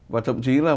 và thậm chí là